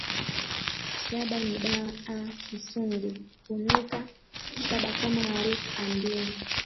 Shaba ni dawa a kisundi hunuka shaba kama harufu a ndimu.